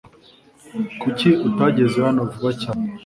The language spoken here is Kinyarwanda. Kuki utageze hano vuba cyane?